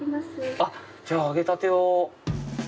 あっ、じゃあ、揚げたてを。